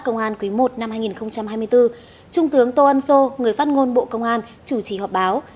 công an quý i năm hai nghìn hai mươi bốn trung tướng tô ân sô người phát ngôn bộ công an chủ trì họp báo